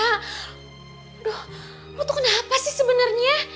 aduh lo tuh kenapa sih sebenernya